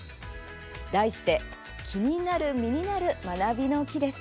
題して「気になる身になるまなびの木」です。